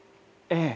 ええ。